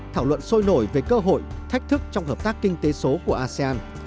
thảo luận sôi nổi về cơ hội thách thức trong hợp tác kinh tế số của asean